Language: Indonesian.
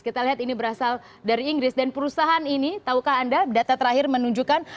kita lihat ini berasal dari inggris dan perusahaan ini tahukah anda data terakhir menunjukkan